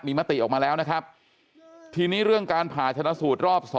มีมติออกมาแล้วนะครับทีนี้เรื่องการผ่าชนะสูตรรอบ๒